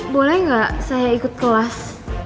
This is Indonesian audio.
boleh nggak saya ikut kelas